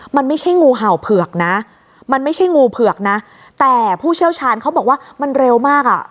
มันไม่ใช่งูเห่าเผือกนะมันไม่ใช่งูเผือกนะแต่ผู้เชี่ยวชาญเขาบอกว่ามันเร็วมากอ่ะ